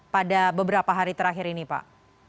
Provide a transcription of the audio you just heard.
pada beberapa hari terakhir ini pak